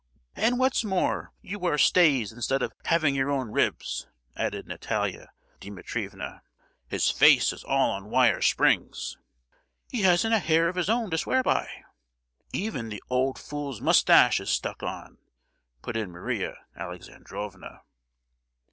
"And what's more, you wear stays instead of having your own ribs!" added Natalia Dimitrievna. "His face is all on wire springs!" "He hasn't a hair of his own to swear by!" "Even the old fool's moustache is stuck on!" put in Maria Alexandrovna.